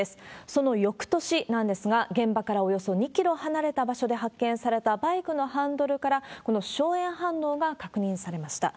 そのよくとしなんですが、現場からおよそ２キロ離れた場所で発見されたバイクのハンドルから、この硝煙反応が確認されました。